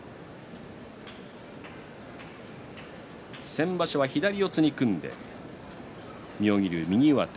先場所は左四つに組んで妙義龍、右上手